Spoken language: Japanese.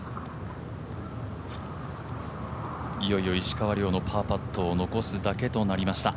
いよいよ石川遼のパーパットを残すだけとなりました。